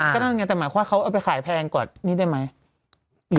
ก็นั่นไงแต่หมายความเขาเอาไปขายแพงกว่านี้ได้ไหม